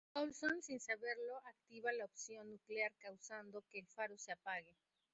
Coulson, sin saberlo, activa la opción nuclear causando que el Faro se apague.